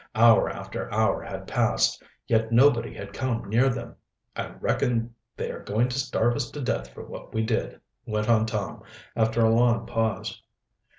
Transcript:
Hour after hour had passed, yet nobody had come near them. "I reckon they are going to starve us to death for what we did," went on Tom, after a long pause.